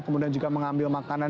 kemudian juga mengambil makanan